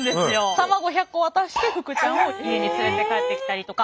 卵１００個渡してふくちゃんを家に連れて帰ってきたりとか。